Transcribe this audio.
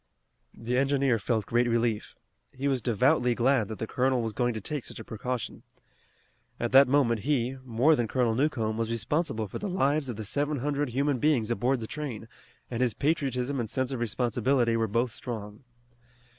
The engineer felt great relief. He was devoutly glad that the colonel was going to take such a precaution. At that moment he, more than Colonel Newcomb, was responsible for the lives of the seven hundred human beings aboard the train, and his patriotism and sense of responsibility were both strong.